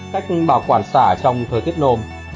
cách bảo quản sả trong thời tiết nôm